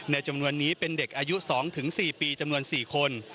จำนวนนี้เป็นเด็กอายุ๒๔ปีจำนวน๔คน